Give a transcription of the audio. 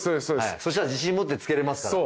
そしたら自信持って着けれますから。